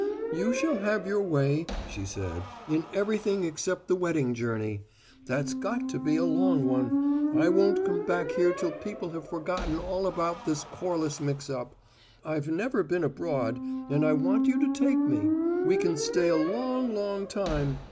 "You shall have your way," she said, "in everything except the wedding journey. That's got to be a long one I won't come back here till people have forgotten all about this Corliss mix up. I've never been abroad, and I want you to take me. We can stay a long, long time.